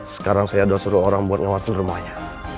sekarang saya sudah suruh orang buat ngawasin rumahnya